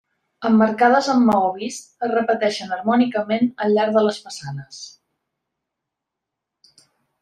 Emmarcades amb maó vist, es repeteixen harmònicament al llarg de les façanes.